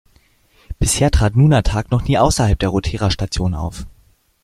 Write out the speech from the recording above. Bisher trat Nunatak noch nie außerhalb der Rothera-Station auf.